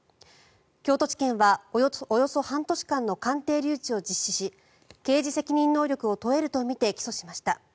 京都地検はおよそ半年間の鑑定留置を実施し刑事責任能力を問えるとみて起訴しました。